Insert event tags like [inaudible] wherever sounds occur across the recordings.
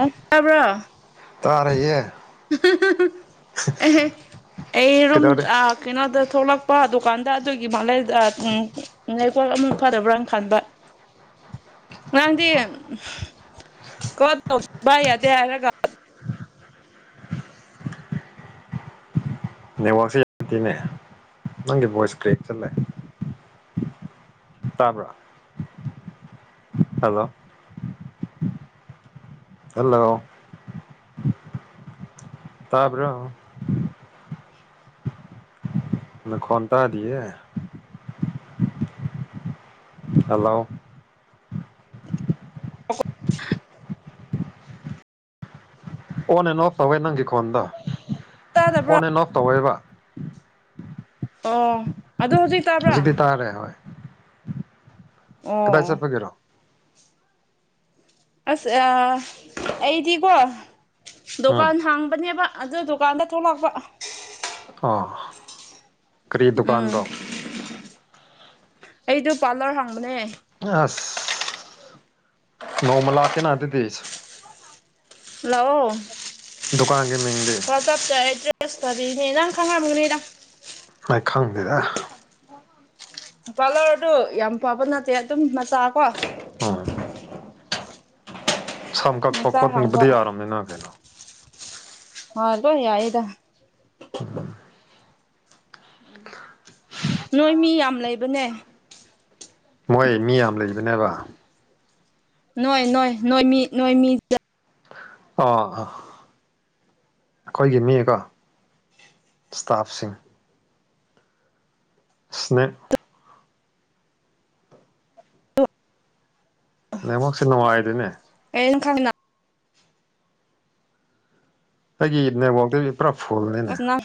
ꯑꯣ ꯇꯕ꯭ꯔꯣ ꯇꯥꯔꯌꯦ ꯑꯦ ꯑꯦꯔꯣꯝ ꯀꯩꯗꯧꯔꯦ ꯑ ꯀꯩꯅꯣꯗ ꯊꯣꯛꯂꯛꯄ ꯑꯗꯨꯀꯥꯟꯗ ꯑꯗꯨꯒꯤ ꯃꯥꯂꯩꯗ ꯎꯝ ꯅꯥꯏꯀꯣ ꯑꯃ ꯐꯗꯕ꯭ꯔꯥꯅ ꯈꯟꯕ ꯉꯗꯤ ꯀꯗꯧ ꯌꯥ ꯇ ꯍꯥꯏꯔꯒ ꯅꯦꯠꯋꯥꯛꯁꯦ ꯌꯥꯝꯇꯦꯅꯦ ꯅꯪꯒꯤ ꯚꯣꯏꯁ ꯀ꯭ꯔꯦꯛ ꯆꯜꯂꯦ ꯇꯥꯕ꯭ꯔꯥ ꯍꯜꯂꯣ ꯍꯂꯒꯣ ꯇꯥꯕꯔ ꯅ ꯈꯣꯟ ꯇꯗꯤꯌꯦ ꯍꯜꯂꯣ ꯑꯣꯟ ꯑꯦꯟ ꯑꯣꯐ ꯇꯕ ꯅꯪꯒꯤ ꯀꯣꯟꯗ ꯇꯥꯗ꯭ꯔ ꯅꯩꯅ ꯅꯣꯛ ꯇꯧꯋꯏꯕ ꯑꯣ ꯑꯗꯨꯗ ꯍꯧꯖꯤꯛ ꯇꯥꯕ꯭ꯔꯥ ꯍꯧꯖꯤꯛꯇꯤ ꯇꯥꯔꯦ ꯍꯣꯏ ꯑꯣ ꯀꯗꯥꯏ ꯆꯠꯄꯒꯔꯣ ꯑꯁ ꯑꯩꯗꯤꯀꯣ ꯎꯝ ꯗꯨꯀꯥꯟ ꯍꯥꯡꯕꯅꯦꯕ ꯑꯗꯨ ꯗꯨꯀꯥꯟꯗ ꯊꯣꯛꯂꯛꯄ ꯑꯥ ꯎꯝ ꯑꯩꯗꯣ ꯄꯥꯔꯂꯔ ꯍꯥꯡꯕꯅꯦ ꯑꯁ ꯅꯣꯡꯃ ꯂꯥꯛꯀꯦꯅ ꯑꯗꯨꯗꯤꯁ ꯍꯜꯂꯣ ꯗꯨꯀꯥꯟꯒꯤ ꯃꯤꯡꯗꯤ ꯞꯇ ꯑꯦꯗ꯭ꯔꯦꯁꯇꯔꯤꯅꯦ ꯅꯪ ꯈꯪꯝꯒꯅꯤꯗꯪ ꯅꯥꯏꯈꯪꯗꯗ ꯄꯥꯔꯂꯔ ꯑꯗꯨ ꯌꯥꯝ ꯄꯥꯕ ꯅꯠꯇꯦ ꯑꯗꯨꯝ ꯃꯆꯥ ꯀꯣ ꯑ ꯁꯝ ꯀꯛꯄ ꯃꯆꯥ ꯍꯥꯡꯕ ꯈꯣꯠꯕꯙꯤ ꯌꯥꯔꯝꯃꯦꯅ ꯀꯩꯅꯣ ꯍ ꯂꯣ ꯌꯥꯏꯗ ꯎꯝ [unintelligible] ꯅꯣꯏ ꯃꯤ ꯌꯥꯝ ꯂꯩꯕꯅꯦ ꯃꯣꯏ ꯃꯤ ꯌꯥꯝ ꯂꯩꯕꯅꯦꯕ ꯅꯣꯏ ꯅꯣꯏ ꯅꯣꯏꯃꯤ ꯅꯣꯏꯃꯤꯠ ꯑꯥ ꯑꯩꯈꯣꯏꯒꯤ ꯃꯤꯀꯣ ꯏꯁꯇꯥꯐꯁꯤꯡ ꯁ꯭ꯅꯦ ꯅꯦꯛꯃꯛꯥꯛꯁꯦ ꯅꯨꯡꯉꯥꯏꯗꯨꯅꯦ [unintelligible] ꯑꯩꯒꯤ ꯅꯦꯠꯋꯥꯛꯇꯗꯤ ꯄꯨꯔꯥ ꯐꯨꯜꯅꯤꯅꯦ ꯑꯁ ꯅꯪ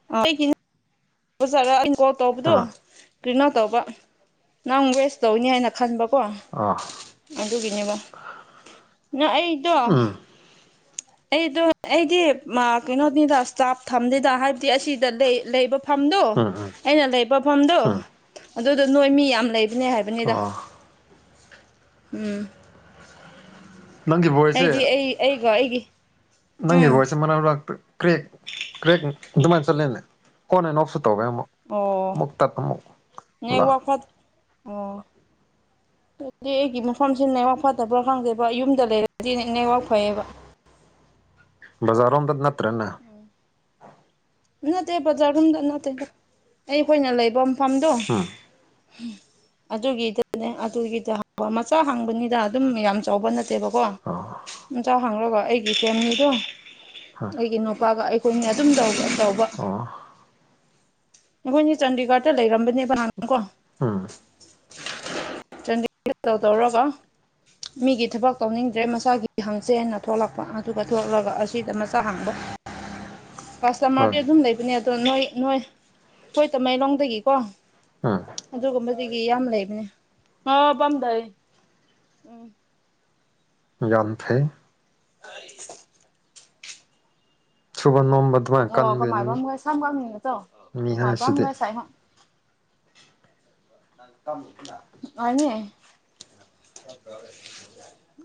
[unintelligible] ꯇꯕꯗꯨ ꯑꯥ ꯀꯔꯤꯅꯣ ꯇꯧꯕ ꯅꯪ ꯋꯦꯁ ꯇꯧꯅꯤ ꯍꯥꯏꯅ ꯈꯟꯕꯀꯣ ꯑ ꯑꯗꯨꯒꯤꯅꯦꯕ ꯅꯪ ꯑꯩꯗꯣ ꯎꯝ ꯑꯩꯗꯣ ꯑꯩꯗꯤ ꯀꯩꯅꯣꯅꯤꯗ ꯏꯁꯇꯥꯐ ꯊꯝꯅꯤꯗ ꯍꯥꯏꯕꯗꯤ ꯑꯁꯤꯗ ꯂꯩꯕ ꯐꯝꯗꯣ ꯎꯝ ꯎꯝ ꯑꯩꯅ ꯂꯩꯕ ꯐꯝꯗꯣ ꯎꯝ ꯑꯗꯨꯗꯣ ꯅꯣꯏ ꯃꯤ ꯌꯥꯝ ꯂꯩꯕꯅꯦ ꯍꯥꯏꯕ ꯕꯗ ꯑꯣ ꯎꯝ ꯅꯪꯒꯤ ꯚꯣꯏꯁꯁꯦ ꯑꯩꯗꯤ ꯑꯩ ꯑꯩꯒ ꯑꯩꯒꯤ ꯅꯪꯒꯤ ꯎꯝ ꯕꯣꯏꯁꯁꯦ ꯃꯅꯥꯎ ꯂꯥꯛꯇꯦ ꯀ꯭ꯔꯦꯛ ꯀ꯭ꯔꯦꯛ ꯑꯗꯨꯃꯥꯏꯅ ꯆꯠꯂꯦꯅꯦ ꯀꯣꯟ ꯑꯟ ꯑꯣꯐꯁꯨ ꯇꯧꯋꯦ ꯑꯃꯨꯛ ꯑꯣ ꯃꯨꯛꯇꯛꯇ ꯇꯃꯨꯛ ꯂ ꯅꯦꯠꯋꯥꯛ ꯐꯠ ꯑꯣ ꯑꯗꯨꯗꯤ ꯑꯩꯒꯤ ꯃꯐꯝꯁꯤ ꯅꯩꯋꯥꯛ ꯐꯠꯇꯕ꯭ꯔꯥ ꯈꯪꯗꯦꯕ ꯌꯨꯝꯗ ꯂꯩꯔꯗꯤꯅꯦ ꯅꯩꯋꯥꯛ ꯐꯩꯌꯦꯕ ꯕꯖꯥꯔꯣꯝꯗ ꯅꯠꯇ꯭ꯔꯅ ꯅꯠꯇꯦ ꯕꯖꯥꯔꯒꯨꯝꯗ ꯅꯠꯇꯦ ꯑꯩ ꯑꯩꯈꯣꯏꯅ ꯂꯩꯐꯝ ꯐꯐꯝꯗꯣ ꯎꯝ ꯑꯗꯨꯒꯤ ꯑꯗꯨꯒꯤꯗ ꯃꯆꯥ ꯍꯥꯡꯕꯅꯤꯗ ꯑꯗꯨꯝ ꯌꯥꯝ ꯆꯥꯎꯕ ꯅꯠꯇꯦꯕꯀꯣ ꯑꯣ ꯆꯥꯎ ꯍꯥꯡꯒ ꯑꯩꯒꯤ ꯐꯦꯃꯤꯂꯤꯗꯣ ꯍꯣꯏ ꯑꯩꯒꯤ ꯅꯨꯄꯥꯒ ꯑꯩꯈꯣꯏꯅ ꯑꯗꯨꯝ ꯇ ꯇꯧꯕ ꯑꯣ ꯑꯩꯈꯣꯏꯅꯦ ꯆꯥꯟꯗꯤꯒꯔꯗ ꯂꯩꯔꯝꯕꯅꯦꯕꯅꯥꯅꯪ ꯀꯣ ꯎꯝ ꯗꯧꯔꯣꯒ ꯃꯤꯒꯤ ꯊꯕꯛ ꯇꯧꯅꯤꯡꯗ꯭ꯔꯦ ꯃꯆꯥꯒꯤ ꯍꯪꯁꯦꯅ ꯊꯣꯛꯂꯛꯄ ꯑꯗꯨꯒ ꯊꯣꯛꯂꯛꯂꯒ ꯑꯁꯤꯗ ꯃꯆꯥ ꯍꯥꯡꯕ [inaudible] ꯍꯣꯏ ꯀꯁꯇꯃꯔꯗꯤ ꯑꯗꯨꯝ ꯂꯩꯕꯅꯦ ꯑꯗꯣ ꯅꯣꯏ ꯅꯣꯏ ꯑꯩꯣꯏ ꯇꯃꯩꯂꯣꯡꯗꯒꯤꯀꯣ ꯎꯝ ꯑꯗꯨꯒꯨꯝꯕꯗꯒꯤ ꯌꯥꯝ ꯂꯩꯕꯅꯦ ꯍ ꯄꯝꯗꯏ ꯎꯝ [unintelligible] [unintelligible] ꯁꯨꯕ ꯅꯣꯝꯕ ꯑꯗꯨꯃꯥꯏꯅ ꯑꯣ ꯀꯟꯗꯦꯅꯤ ꯀꯃꯥꯏꯕꯝꯒ ꯁꯝꯒꯝꯅꯤ ꯅꯠꯇ꯭ꯔꯣ ꯃꯤ ꯍꯥꯏꯁꯤꯗꯤ ꯀꯃꯥꯏꯕꯝꯒ ꯁꯥꯏꯍꯣ ꯑꯅꯦ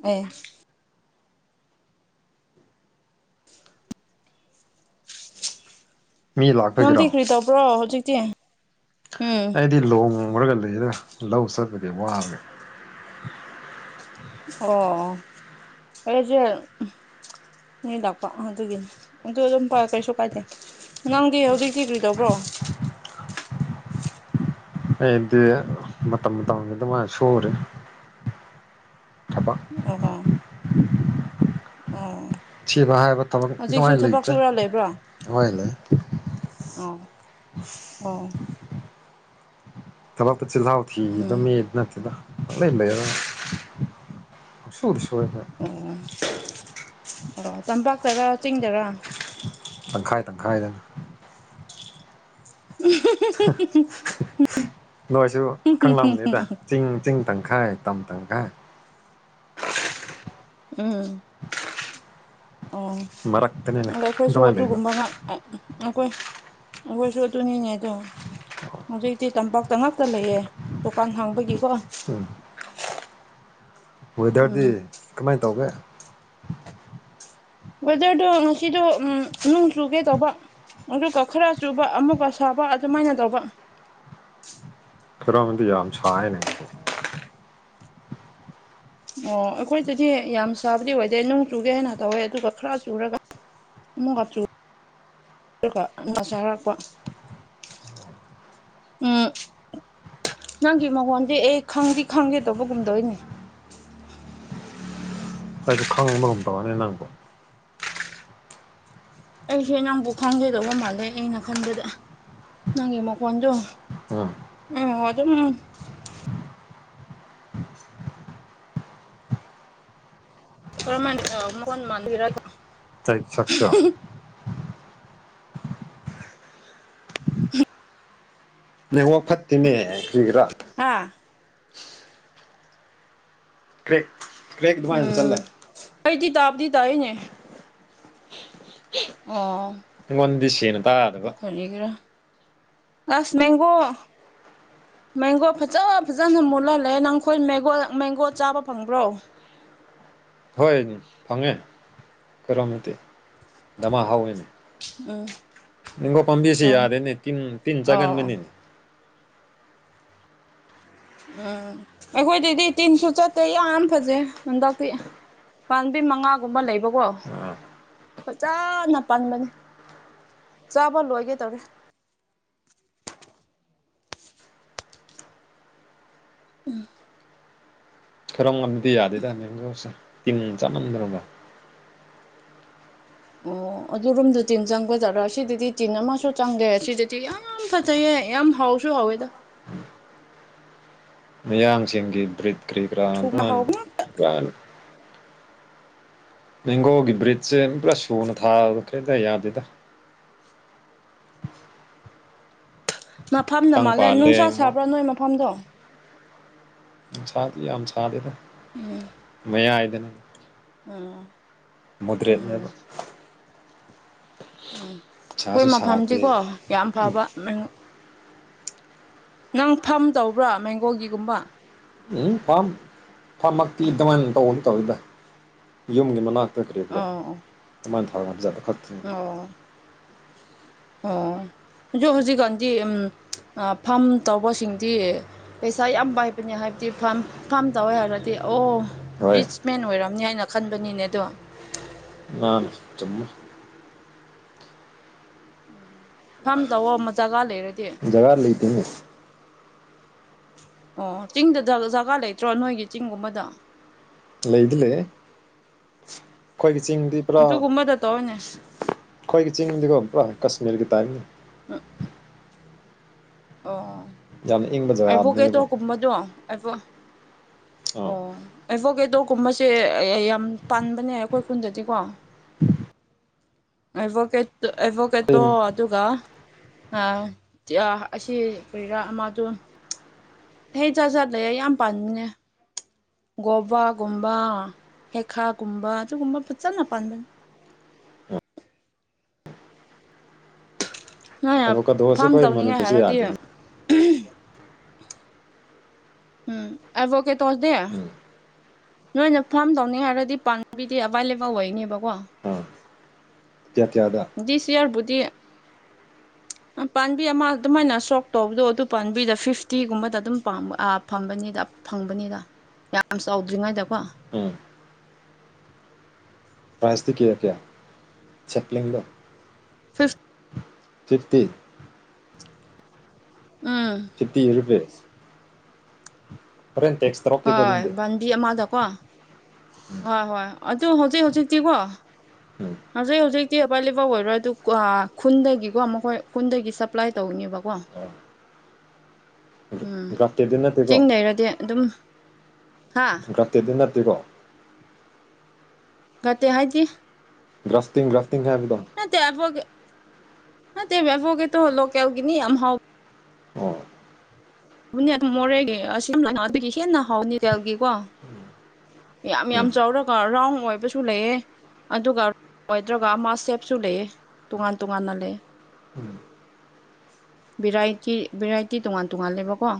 ꯑꯦ ꯃꯤ ꯅꯗ ꯂꯥꯛꯄꯒꯤꯔꯣ ꯀ꯭ꯔꯤ ꯇꯕ꯭ꯔꯣ ꯍꯧꯖꯤꯀꯇꯤ ꯑꯩꯗꯤ ꯂꯨꯍꯂꯔꯒ ꯂꯩꯔ ꯂꯧ ꯆꯠꯄꯒꯤ ꯋꯥꯕ ꯑꯣ ꯑꯩꯁꯦ ꯃꯤ ꯂꯥꯛꯄ ꯑꯗꯨꯒꯤꯅꯤ ꯑꯗꯨ ꯑꯗꯨꯝ ꯀꯩꯁꯨ ꯀꯥꯏꯗꯦ ꯅꯪꯗꯤ ꯍꯧꯖꯤꯛꯇꯤ ꯀ꯭ꯔꯤ ꯇꯧꯕ꯭ꯔꯣ ꯑꯩꯗꯤ ꯃꯇꯝ ꯃꯇꯝꯒꯤ ꯗꯨꯃꯥꯢ ꯁꯨꯔꯦ ꯊꯕꯛ ꯑꯣꯒꯣ ꯑꯣ ꯁꯤꯕ ꯍꯥꯏꯕ ꯊꯕꯛ ꯑꯗꯨꯃꯥꯢ ꯍꯧꯖꯤꯛꯁꯨ ꯊꯕꯛ ꯂꯩꯇꯦ ꯁꯨꯔ ꯂꯩꯕ꯭ꯔꯣ ꯑꯣ ꯍꯣꯢ ꯂꯩ [inaudible] ꯑꯣ ꯊꯕꯛꯛꯇ ꯆꯤꯜꯍꯥꯎ ꯊꯤꯕ ꯎꯝ ꯃꯤ ꯅꯠꯇꯦꯗ ꯄꯪꯂꯩ ꯂꯩꯔꯥ ꯄꯪꯁꯨꯗ ꯁꯨꯔꯦ ꯑꯣ ꯑꯣ ꯇꯝꯄꯥꯛꯇꯔꯥ ꯆꯤꯡꯗꯔꯥ ꯇꯪꯈꯥꯏ ꯇꯪꯈꯥꯏꯗ [unintelligible] ꯅꯣꯏꯁꯨ ꯀꯪꯂꯝꯅꯤꯗ ꯆꯤꯡ ꯆꯤꯡ ꯇꯪꯈꯥꯏ ꯇꯝ ꯇꯪꯈꯥꯏ ꯎꯝ ꯑꯣ ꯃꯔꯛꯇꯅꯤꯅꯦ ꯑꯗꯣ ꯑꯩꯈꯣꯏꯁꯨ ꯑꯗꯨꯃꯥꯏꯅ ꯂꯩꯕ ꯑꯗꯨꯒꯨꯝꯕ ꯉꯥꯛ ꯑꯩꯈꯣꯏ ꯑꯩꯈꯣꯏꯁꯨ ꯑꯗꯨꯅꯤꯅꯦ ꯑꯗꯣ ꯍꯧꯖꯤꯛꯇꯤ ꯇꯝꯄꯥꯛ ꯇ ꯉꯥꯛꯇ ꯂꯩꯌꯦ ꯗꯨꯀꯥꯟ ꯍꯥꯡꯕꯒꯤꯀꯣ ꯎꯝ ꯋꯦꯗꯔꯗꯤ ꯎꯝ ꯀꯃꯥꯏ ꯇꯧꯒꯦ ꯋꯦꯗꯔꯗꯣ ꯉꯁꯤꯗꯣ ꯅꯣꯡ ꯆꯨꯒꯦ ꯇꯧꯕ ꯑꯗꯨꯒ ꯈꯔ ꯆꯨꯕ ꯑꯃꯨꯛꯀ ꯁꯥꯕ ꯑꯗꯨꯃꯥꯏꯅ ꯇꯧꯕ ꯈꯔꯝꯗꯤ ꯌꯥꯝ ꯁꯥꯏꯅꯁꯦꯅꯦ ꯉꯁꯤ ꯑꯣ ꯑꯩꯈꯣꯏꯗꯗꯤ ꯌꯥꯝ ꯁꯥꯕꯗꯤ ꯑꯣꯏꯗꯦ ꯅꯣꯡ ꯆꯨꯒꯦ ꯍꯥꯏꯅ ꯇꯧꯋꯦ ꯑꯗꯨꯒ ꯈꯔ ꯆꯨꯔꯒ ꯑꯃꯨꯛ ꯆꯨꯔꯒ ꯉꯁ ꯍꯥꯏꯔꯛꯄ ꯎꯝ ꯅꯪꯒꯤ ꯃꯉꯣꯟꯗꯤ ꯑꯦ ꯈꯪꯗꯤ ꯈꯪꯒꯦ ꯇꯧꯕꯒꯨꯝ ꯇꯧꯋꯤꯅꯦ ꯑꯩꯖꯨ ꯈꯪꯕꯒꯨꯝ ꯇꯧꯋꯦꯅꯦ ꯅꯪꯕꯣ ꯑꯩꯁꯦ ꯅꯪꯕꯨ ꯈꯪꯒꯗꯧꯕ ꯃꯥꯜꯂꯦ ꯑꯩꯅ ꯈꯟꯕꯗ ꯅꯪꯒꯤ ꯃꯈꯣꯟꯗꯣ ꯎꯝ ꯑꯗꯨꯝ [inaudible] ꯀꯔꯃꯥꯢ ꯑ ꯃꯈꯣꯟ [unintelligible] [unintelligible] [inaudible] ꯅꯦꯠꯋꯥꯛ ꯐꯠꯇꯦꯅꯦ ꯀ꯭ꯔꯤꯒꯔꯥ ꯍꯥꯥ ꯀ꯭ꯔꯦꯛ ꯀ꯭ꯔꯦꯛ ꯗꯨꯃꯥꯏ ꯎꯝ ꯆꯜꯂꯦ ꯑꯩꯗꯤ ꯇꯥꯕꯗꯤ ꯇꯥꯌꯦꯅꯦ [inaudible] ꯑꯣ ꯑꯩꯉꯣꯟꯗꯤ ꯁꯦꯅ ꯇꯥꯗꯕ ꯀꯔꯤꯒꯤꯔꯥ ꯑꯁ ꯃꯦꯡꯒꯣ ꯃꯦꯡꯒꯣ ꯐꯖ ꯐꯖꯅ ꯃꯨꯜꯂ ꯂꯩꯖꯦ ꯅꯪꯈꯣꯏ ꯃꯒꯣ ꯃꯦꯡꯒꯣ ꯆꯥꯕ ꯐꯪꯕ꯭ꯔꯣ ꯍꯣꯏꯅꯦ ꯐꯪꯉꯦ ꯀꯔꯣꯅꯗꯤ ꯗꯃꯥ ꯍꯧꯋꯦꯅꯦ ꯎꯝ ꯅꯤꯡꯒꯣ ꯄꯥꯝꯕꯤꯁꯤ ꯑꯣ ꯌꯥꯔꯦꯅꯦ ꯇꯤꯟ ꯇꯤꯟ ꯑꯣ ꯆꯥꯒꯟꯕꯅꯤꯅꯦ ꯎꯝ ꯑꯩꯈꯣꯏꯗꯗꯤ ꯇꯤꯟꯁꯨ ꯆꯠꯇꯦ ꯌꯥꯝ ꯐꯖꯩ ꯍꯟꯗꯛꯇꯤ ꯄꯥꯝꯕꯤ ꯃꯉꯥꯒꯨꯝꯕ ꯂꯩꯕꯀꯣ ꯑꯥ ꯐꯖꯅ ꯄꯥꯟꯕꯅꯦ ꯆꯥꯕ ꯂꯣꯏꯒꯦ ꯇꯧꯔꯦ ꯎꯝ ꯈꯔꯝ ꯉꯝꯗꯤ ꯌꯥꯗꯦꯗ ꯅꯒꯧꯁꯦ ꯇꯤꯡ ꯆꯥꯃꯝꯗ꯭ꯔꯒꯣ ꯑꯣ ꯑꯗꯨ ꯔꯣꯝꯗ ꯇꯤꯟ ꯆꯪꯒꯖꯥꯠꯔꯥ ꯁꯤꯗꯗꯤ ꯇꯤꯟ ꯑꯃꯁꯨ ꯆꯪꯗꯦ ꯁꯤꯗꯗꯤ ꯌꯥꯝ ꯌꯥꯝ ꯐꯖꯩꯌꯦꯦ ꯌꯥꯝ ꯍꯥꯎꯁꯨ ꯍꯥꯎꯋꯦꯗ ꯃꯤꯌꯥꯝꯁꯤꯡꯒꯤ ꯕ꯭ꯔꯤꯠ ꯀ꯭ꯔꯤ ꯀꯔꯥ ꯊꯨꯝꯕ ꯍꯥꯎꯕ ꯉꯥꯛꯇ ꯃꯦꯡꯒꯣꯒꯤ ꯕ꯭ꯔꯤꯖꯁꯦ ꯄꯨꯔꯥ ꯁꯨꯅ ꯊꯥꯕꯗ ꯀꯩꯇ ꯌꯥꯗꯦꯗ [inaudible] ꯃꯐꯝꯅ ꯈꯤꯇꯪ ꯃꯥꯜꯂꯦ ꯄꯥꯜꯂꯦ ꯅꯨꯡꯁꯥ ꯑꯃꯨꯛ ꯁꯥꯕ꯭ꯔꯥ ꯅꯣꯏ ꯃꯐꯝꯗꯣ ꯅꯨꯡꯁꯗꯤ ꯌꯥꯝ ꯁꯥꯗꯦꯗ ꯃꯌꯥꯏꯗꯅ ꯎꯝ ꯎꯝ ꯎꯝ ꯑꯩꯈꯣꯏ ꯁꯥꯁꯨ ꯁꯥꯗꯦ ꯃꯐꯝꯁꯤꯀꯣ ꯌꯥꯝ ꯐꯕ ꯅꯪ ꯐꯝ ꯇꯧꯕ꯭ꯔꯣ ꯃꯦꯡꯒꯣꯒꯤꯒꯨꯝꯕ ꯎꯝ ꯐꯥꯝ ꯐꯥꯝꯃꯛꯇꯤ ꯑꯗꯨꯃꯥꯏꯅ ꯇꯧꯕ ꯅꯠꯇꯕꯅꯤꯗ ꯌꯨꯝꯒꯤ ꯃꯅꯥꯛ ꯀ ꯀꯔꯤ ꯀꯔꯥ ꯑꯣ ꯑꯗꯨꯃꯥꯏꯅ ꯊꯥꯔꯒ ꯖꯥꯠ ꯈꯛꯇꯅꯤ ꯑꯣ ꯑꯣ ꯍꯧꯖꯤꯛ ꯍꯧꯖꯤꯛꯀꯥꯟꯗꯤ ꯎ ꯐꯥꯝ ꯇꯧꯕꯁꯤꯡꯗꯤ ꯄꯩꯁꯥ ꯌꯥꯝ ꯄꯥꯏꯕꯅꯦ ꯍꯥꯏꯕꯇꯤ ꯐꯥꯝ ꯐꯥꯝ ꯇꯧꯋꯦ ꯍꯥꯏꯔꯗꯤ ꯑꯣ ꯍꯣꯏ ꯔꯤꯆ ꯃꯦꯟ ꯑꯣꯏꯔꯝꯅꯤ ꯍꯥꯏꯅ ꯈꯟꯕꯅꯤꯅꯦ ꯑꯗꯣ ꯑꯥ ꯆꯨꯝꯃꯦ ꯐꯥꯝ ꯇꯧꯑꯣ ꯑꯃ ꯖꯒꯥ ꯂꯩꯔꯗꯤ ꯖꯒꯥ ꯂꯩꯇꯦꯅꯦ ꯑꯣ ꯆꯤꯡꯗ ꯗ ꯖꯒꯥ ꯂꯩꯇ꯭ꯔꯣ ꯅꯣꯏꯒꯤ ꯆꯤꯡꯒꯨꯝꯕꯗ ꯂꯩꯗꯤ ꯂꯩ ꯑꯩꯈꯣꯏꯒꯤ ꯆꯤꯡꯗꯤ ꯄꯨꯔꯥ ꯑꯗꯨꯒꯨꯝꯕꯗ ꯇꯧꯋꯣꯅꯦ ꯑꯩꯈꯣꯏꯒꯤ ꯆꯤꯡꯗꯤ ꯀꯣ ꯄꯨꯔꯥ ꯀꯥꯁꯃꯤꯔꯒꯤ ꯇꯥꯏꯞꯅꯤ ꯎ [inaudible] ꯑꯣ ꯌꯥꯝꯅ ꯏꯪꯕ ꯑꯩꯕꯣꯛ ꯀꯇꯣ ꯖꯒꯥꯗꯨꯅꯦꯕ ꯀꯨꯝꯕꯗꯣ ꯑꯩꯕꯣꯛ ꯑꯥ ꯑꯣ ꯑꯦꯠꯚꯣꯀꯦꯗꯣꯀꯨꯝꯕꯁꯦ ꯌ ꯌꯥꯝ ꯄꯥꯟꯕꯅꯦ ꯑꯩꯈꯣꯏ ꯈꯨꯟꯗꯗꯤꯀꯣ ꯑꯦꯕꯣꯀꯦꯇꯣ ꯑꯦꯚꯣꯀꯦꯠꯇꯣ ꯑꯩꯈꯣꯏ ꯑꯗꯨꯒ ꯑ ꯌ ꯑꯁꯤ ꯀ꯭ꯔꯤꯔ ꯑꯃꯗꯨ ꯍꯩ ꯖꯥ ꯖꯥꯠ ꯂꯩꯌꯦ ꯌꯥꯝ ꯄꯥꯟꯕꯅꯦ ꯒꯣꯕꯥꯒꯨꯝꯕ ꯍꯦꯛꯈꯥꯒꯨꯝꯕ ꯑꯗꯨꯒꯨꯝꯕ ꯐꯖꯅ ꯄꯥꯟꯕꯅꯤ ꯅꯣꯏ ꯑ ꯑꯦꯕꯣꯀꯥꯗꯣꯁꯦ ꯐꯥꯝ ꯑꯩꯈꯣꯏ ꯇꯧꯅꯤꯡꯉꯥꯏ ꯃꯅꯤꯄꯨꯔꯁꯦ ꯍꯥꯏꯔꯗꯤ ꯌꯥꯗꯦꯅꯦ ꯎꯝ ꯑꯦꯕꯣꯀꯦꯇꯣꯜꯗꯤ ꯎꯝ ꯅꯣꯏꯅ ꯐꯥꯝ ꯇꯧꯅꯤ ꯍꯥꯏꯔꯗꯤ ꯄꯥꯝꯕꯤꯗꯤ ꯑꯦꯕꯥꯏꯂꯦꯕꯜ ꯑꯣꯏꯅꯦꯕꯀꯣ ꯑꯥ ꯀꯌꯥ ꯀꯌꯥꯗ ꯗꯤꯁ ꯌꯥꯔꯕꯨꯗꯤ [unintelligible] ꯄꯥꯝꯕꯤ ꯑꯃ ꯑꯗꯨꯃꯥꯏꯅ ꯁꯣꯛ ꯇꯧꯕꯗꯣ ꯑꯗꯨ ꯄꯥꯝꯕꯤꯗ ꯐꯤꯞꯇꯤꯒꯨꯝꯕꯗ ꯑꯗꯨꯝ ꯄꯥꯝ ꯑ ꯐꯝꯕꯅꯤꯗ ꯐꯪꯕꯅꯤꯗ ꯌꯥꯝ ꯆꯥꯎꯗ꯭ꯔꯤꯉꯩꯗꯀꯣ ꯎꯝ ꯄ꯭ꯔꯥꯏꯖꯇꯤ ꯀꯌꯥ ꯀꯌꯥ ꯆꯞꯂꯝꯕꯥ fifth fifty um fifty rupees ꯍꯣꯔꯦꯟ ꯇꯦꯛꯁ ꯇꯧꯔꯛꯀꯦꯀꯣ ꯍꯣꯏ ꯑꯗꯨꯗꯤ ꯕꯟꯗꯤ ꯑꯃꯗꯀꯣ ꯎꯝ ꯍꯣꯏ ꯍꯣꯏ ꯑꯗꯨ ꯍꯧꯖꯤꯛ ꯍꯧꯖꯤꯛꯇꯤꯀꯣ ꯎꯝ ꯍꯧꯖꯤꯛ ꯍꯧꯖꯤꯛꯇꯤ ꯑꯕꯥꯏꯂꯦꯕꯜ ꯑꯣꯏꯔꯣꯏ ꯑꯗꯨ ꯀ꯭ꯋꯥ ꯈꯨꯟꯗꯒꯤꯀꯣ ꯃꯈꯣꯏ ꯈꯨꯟꯗꯒꯤ ꯁꯄ꯭꯭ꯂꯥꯏ ꯇꯧꯅꯦꯕꯀꯣ ꯑꯣ ꯎꯝ ꯆꯤꯡ ꯂꯩꯩꯔꯗꯤ ꯑꯗꯨꯝ ꯍꯥ ꯀꯠꯇꯦꯗꯤ ꯅꯠꯇꯦꯀꯣ ꯀꯠꯇꯦ ꯍꯥꯏꯗꯤ ꯭ꯔꯁꯇꯤꯡ ꯔꯁꯇꯤꯡ ꯍꯥꯏꯕꯗꯣ ꯅꯠꯇꯦ ꯑꯦꯕꯣꯒꯦ ꯅꯠꯇꯦꯃꯤ ꯑꯦꯕꯣꯀꯦꯇꯣ ꯂꯣꯀꯦꯜꯒꯅꯤ ꯌꯥꯝ ꯍꯥꯎ ꯑꯣ ꯅꯦ ꯑꯗꯨꯝ ꯃꯣꯔꯦꯒꯤ ꯑꯁꯤꯅ ꯑꯗꯨꯒꯤ ꯍꯦꯟꯅ ꯍꯥꯎꯅꯤ ꯇꯦꯜꯒꯤ ꯀꯣ ꯌꯥꯝ ꯎꯝ ꯌꯥꯝ ꯆꯥꯎꯔꯒ ꯔꯥꯎꯟꯗ ꯑꯣꯏꯕꯁꯨ ꯂꯩꯌꯦ ꯑꯗꯨꯒ ꯂꯣꯏꯗ꯭ꯔꯒ ꯑꯃ ꯁꯦꯞꯁꯨ ꯂꯩꯌꯦ ꯇꯣꯉꯥꯟ ꯇꯣꯉꯥꯟꯅ ꯂꯩꯌꯦ ꯎꯝ ꯚꯦꯔꯥꯏꯇꯤ ꯚꯦꯔꯥꯏꯇꯤ ꯇꯣꯉꯥꯟ ꯇꯣꯉꯥꯟꯂꯦꯕꯀꯣ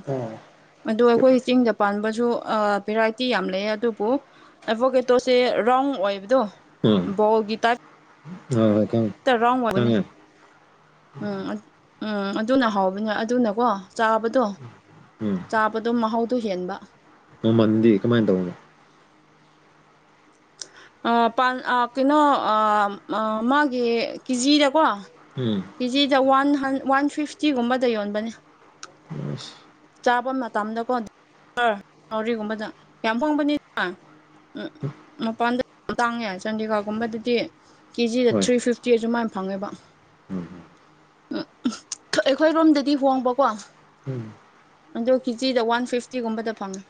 ꯑꯗꯣ ꯑꯩꯈꯣꯏ ꯆꯤꯡꯗ ꯄꯥꯟꯕꯁꯨ ꯚꯦꯔꯥꯏꯇꯤ ꯌꯥꯝ ꯂꯩꯌꯦ ꯑꯗꯨꯕꯨ ꯑꯦ ꯕꯣ ꯀꯦꯇꯣ ꯁꯦ ꯔꯣꯟ ꯑꯣꯏꯕꯗꯣ ꯕꯣꯜꯒꯤ ꯇꯥꯞ ꯍꯣꯏ ꯍꯣꯏ [unintelligible] [unintelligible] ꯔꯥꯎꯟ ꯑꯣꯏꯕꯅꯤ ꯎꯝ ꯎꯝ ꯑꯗꯨꯅ ꯍꯥꯎꯕꯅꯤ ꯑꯗꯨꯅꯀꯣ ꯆꯥꯕꯗꯣ ꯎꯝ ꯆꯥꯕꯗꯣ ꯃꯍꯥꯎꯗꯣ ꯍꯦꯟꯕ ꯅꯪꯗꯤ ꯀꯃꯥꯏꯅ ꯇꯧꯕꯅꯣ ꯄꯥꯟ ꯀꯩꯅꯣ ꯃꯥꯒꯤ ꯀꯦꯖꯤꯗꯀꯣ ꯎꯝ ꯀꯦꯖꯤꯗ ꯋꯥꯟ ꯋꯥꯟ ꯐꯤꯐꯇꯤꯒꯨꯝꯕꯗ ꯌꯣꯟꯕꯅꯦ ꯑꯁ ꯆꯥꯕ ꯃꯇꯝꯗꯀꯣ ꯁꯥꯔ ꯅꯧꯔꯤꯒꯨꯝꯕꯗ ꯌꯥꯝ ꯍꯣꯡꯕꯅꯦꯕꯥ ꯎꯝ ꯃꯄꯥꯟꯗ ꯇꯥꯡꯉꯦ ꯆꯥꯟꯗꯤꯒꯔꯒꯨꯝꯕꯗꯗꯤ ꯀꯦꯖꯤꯗ ꯍꯣꯏ ꯊ꯭ꯔꯤ ꯐꯤꯐꯇꯤ ꯁꯨꯃꯥꯏꯅ ꯐꯪꯉꯦꯕ ꯎꯝ ꯎꯝ ꯑꯩꯈꯣꯏ ꯔꯣꯝꯗꯗꯤ ꯍꯣꯡꯕꯀꯣ ꯎꯝ ꯑꯗꯣ ꯀꯦꯖꯤꯗ ꯋꯥꯟ ꯐꯤꯐꯇꯤꯒꯨꯝꯕꯗ ꯐꯪꯉꯤ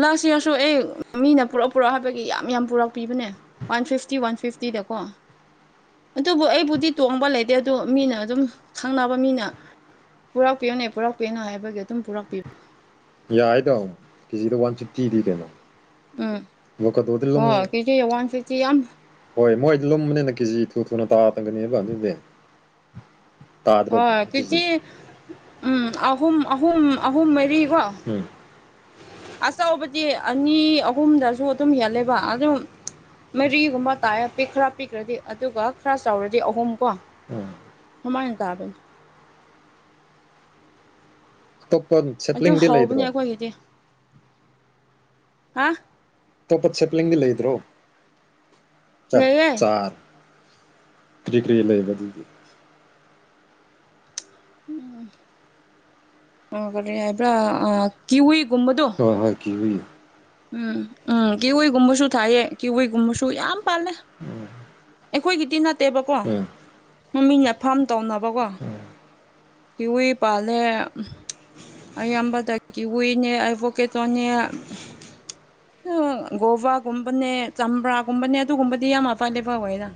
ꯂꯥꯁ ꯏꯌꯔꯁꯨ ꯑꯦ ꯃꯤꯅ ꯄꯨꯔꯛꯑꯣ ꯄꯨꯔꯛꯑꯣ ꯍꯥꯏꯕꯒꯤ ꯌꯥꯝ ꯌꯥꯝ ꯄꯨꯔꯛꯄꯤꯕꯅꯦ ꯋꯥꯟ ꯐꯤꯐꯇꯤ ꯋꯥꯟ ꯐꯤꯐꯇꯤꯗꯀꯣ ꯑꯗꯨꯕꯨ ꯑꯩꯕꯨꯗꯤ ꯇꯣꯡꯕ ꯂꯩꯇꯦ ꯑꯗꯨ ꯃꯤꯅ ꯑꯗꯨꯝ ꯈꯪꯅꯕ ꯃꯤꯅ ꯄꯨꯔꯛꯄꯤꯌꯨꯅꯦ ꯄꯨꯔꯛꯄꯤꯌꯨꯅꯣ ꯍꯥꯏꯕꯒꯤ ꯑꯗꯨꯝ ꯄꯨꯔꯛꯄꯤꯕꯥ ꯌꯥꯏꯗ ꯀꯦꯖꯤꯗ ꯋꯥꯟ ꯐꯤꯐꯇꯤꯗꯤ ꯀꯩꯅꯣ ꯎꯝ ꯑꯦꯕꯣꯀꯥꯗꯣꯗꯤ ꯂꯨꯝ ꯍꯣꯏ ꯀꯦꯖꯤꯗ ꯋꯥꯟ ꯐꯤꯐꯇꯤ ꯌꯥꯝ ꯍꯣꯏ ꯃꯣꯏꯗꯤ ꯂꯨꯝꯕꯅꯤꯅ ꯀꯦꯖꯤ ꯊꯨ ꯊꯨꯅ ꯇꯥꯕꯅꯦꯕ ꯑꯗꯨꯒꯤ ꯍꯣꯏ ꯀꯦꯖꯤ ꯎꯝ ꯑꯍꯨꯝ ꯑꯍꯨꯝ ꯑꯍꯨꯝ ꯃꯔꯤ ꯀꯣ ꯎꯝ ꯑꯆꯧꯕꯗꯤ ꯑꯅꯤ ꯑꯍꯨꯝꯗꯁꯨ ꯑꯗꯨꯝ ꯍꯦꯜꯂꯦꯕ ꯑꯗꯨꯝ ꯃꯔꯤꯒꯨꯝꯕ ꯇꯥꯏꯌꯦ ꯄꯤꯛꯈꯔ ꯄꯤꯛꯈ꯭ꯔꯗꯤ ꯑꯗꯨꯒ ꯈꯔ ꯆꯥꯎꯔꯗꯤ ꯑꯍꯨꯝ ꯀꯣ ꯎꯝ ꯀꯃꯥꯏ ꯇꯥꯕꯅꯦ ꯇꯞ [unintelligible] ꯑꯗꯨ ꯍꯧꯕꯅꯦ ꯑꯩꯈꯣꯏꯒꯤꯗꯤ ꯍꯥ ꯑꯇꯣꯞꯄꯥ ꯁꯦꯄꯂꯤꯡꯗꯤ ꯂꯩꯗ꯭ꯔꯣ ꯆꯥꯛ ꯂꯩꯌꯦ [unintelligible] ꯀ꯭ꯔꯤ ꯀꯔꯤ ꯂꯩꯕ ꯑꯗꯨꯗꯤ ꯎꯝ ꯀꯔꯤ ꯍꯥꯏꯕ꯭ꯔꯥ ꯑ ꯀꯤꯋꯤ ꯒꯨꯝꯕꯥꯗꯣ ꯍ ꯍꯣꯏ ꯀꯤꯋꯤ ꯎꯝ ꯎꯝ ꯀꯤꯋꯏꯒꯨꯝꯕꯁꯨ ꯊꯥꯏꯑ ꯀꯦꯋꯏꯒꯨꯝꯕꯁꯨ ꯌꯥꯝ ꯄꯥꯜꯂꯦ ꯎꯝ ꯑꯩꯈꯣꯏꯒꯤꯗꯤ ꯅꯠꯇꯦꯕꯀꯣ ꯎꯝ ꯃꯃꯤꯡꯅ ꯐꯥꯝ ꯇꯧꯅꯕꯀꯣ ꯀꯤꯋꯤ ꯄꯥꯂꯦ ꯑꯌꯥꯝꯕꯗ ꯀꯤꯋꯤꯅꯦ ꯑꯩꯚꯣꯀꯦꯇꯣꯅꯦ ꯒꯣꯕꯒꯨꯝꯕꯅꯦ ꯆꯝꯄ꯭ꯔꯥꯒꯨꯝꯕꯅꯦ ꯑꯗꯨꯒꯨꯝꯕꯗꯤ ꯌꯥꯝ ꯃꯄꯥꯂꯦ ꯐꯕꯣꯏꯗ